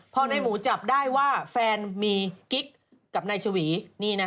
พอในหมูจับได้ว่าแฟนมีกิ๊กกับนายชวี